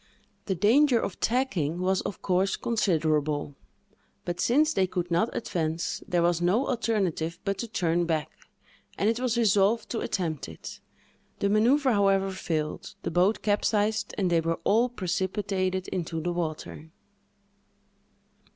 The danger of tacking was, of course, considerable; but, since they could not advance, there was no alternative but to turn back, and it was resolved to attempt it. The manœuvre, however, failed; the boat capsized, and they were all precipitated into the water.